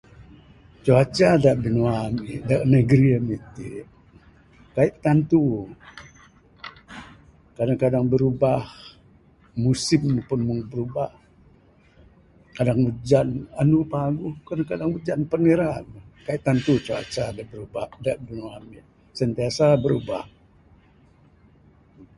Cuaca da binua ami da negeri ami ti kaik tantu, kadang-kadang birubah musim ne pun meh birubah kadang ujan anu paguh kadang kadang ujan pan ira. Kaik tantu cuaca da berubah da binua ami sentiasa berubah.